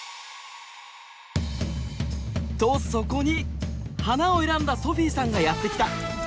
とそこに「花」を選んだソフィーさんがやって来た。